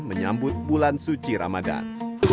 menyambut bulan suci ramadan